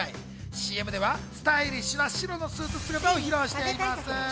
ＣＭではスタイリッシュな白のスーツ姿を披露しています。